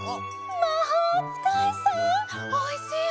まほうつかいさんおいしいわ。